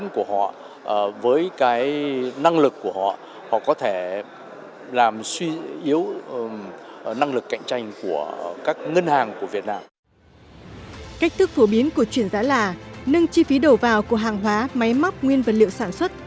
cách thức phổ biến của chuyển giá là nâng chi phí đầu vào của hàng hóa máy móc nguyên vật liệu sản xuất